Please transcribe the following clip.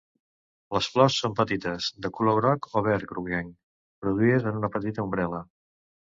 Les flors són petites, de color groc o verd groguenc, produïdes en una petita umbel·la.